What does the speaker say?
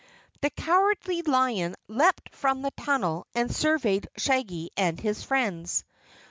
The Cowardly Lion leaped from the tunnel and surveyed Shaggy and his friends.